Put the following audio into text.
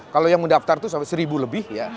kalau yang mendaftar tuh seribu lebih ya